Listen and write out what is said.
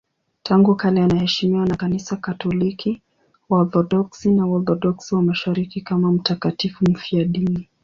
Tangu kale anaheshimiwa na Kanisa Katoliki, Waorthodoksi na Waorthodoksi wa Mashariki kama mtakatifu mfiadini.